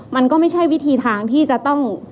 มันก็ไม่ใช่วิธีทางที่จะต้อง